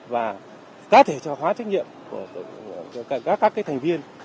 và có thể trò khóa trách nhiệm của các thành viên